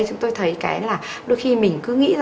chúng tôi thấy đôi khi mình cứ nghĩ